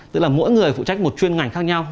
tức là mỗi người phụ trách một chuyên ngành khác nhau